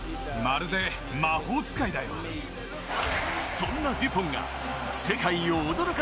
そんなデュポンが世界を驚か